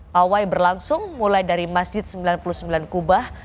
pawai berlangsung mulai dari masjid sembilan puluh sembilan kubah